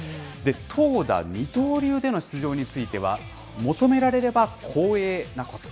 投打二刀流での出場については、求められれば光栄なこと。